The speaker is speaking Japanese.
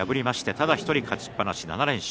ただ１人勝ちっぱなし７連勝。